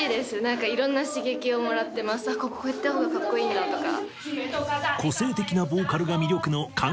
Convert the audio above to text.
こここうやった方がカッコいいなとか。